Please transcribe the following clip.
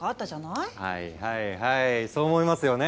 はいはいはいそう思いますよね。